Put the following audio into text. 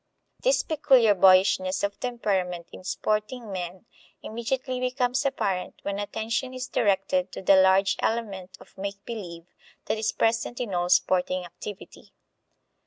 This peculiar boyishness of temperament in sporting men immediately becomes apparent when attention is directed to the large element of make believe that is present in all sporting activity.